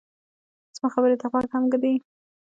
زما خبرې ته غوږ هم ږدې